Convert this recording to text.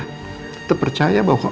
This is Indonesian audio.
kita percaya bahwa